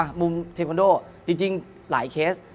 มุมเทควันโดจริงหลายเคส